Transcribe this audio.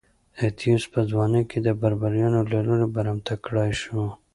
اتیوس په ځوانۍ کې د بربریانو له لوري برمته کړای شو